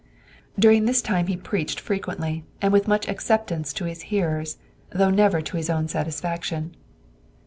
During this time he preached frequently and with much acceptance to his hearers, though never to his own satisfaction.